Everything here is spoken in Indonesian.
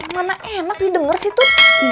mana enak didenger sih tut